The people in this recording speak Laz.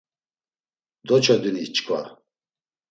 Doçodini çkva.